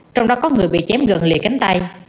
trong đó có người bị chém gần lìa cánh tay